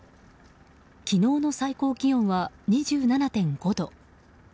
昨日の最高気温は２７．５度。